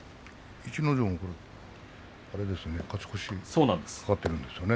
逸ノ城も、勝ち越しが懸かってるんですね。